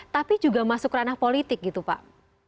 tapi juga masuk ranah politik gitu pak